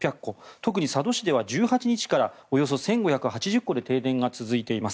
特に佐渡市では１８日から１５８０戸で停電が続いています。